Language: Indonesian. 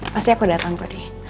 pasti aku datang kody